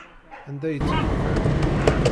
Anda ay tt-id-ufan?